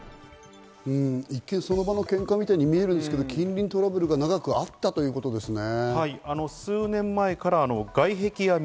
一見、その場のケンカみたいに見えるんですけれども、近隣トラブルが長くあったということですね。